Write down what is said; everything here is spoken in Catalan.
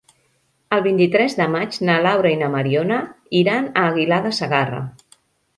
El vint-i-tres de maig na Laura i na Mariona iran a Aguilar de Segarra.